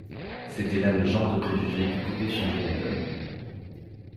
C’était là le genre de préjugé qui pouvait changer la donne.